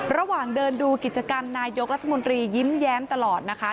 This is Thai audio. ระหว่างเดินดูกิจกรรมนายกรัฐมนตรียิ้มแย้มตลอดนะคะ